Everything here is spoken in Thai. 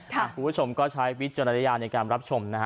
คุณผู้ชมก็ใช้วิจารณญาณในการรับชมนะฮะ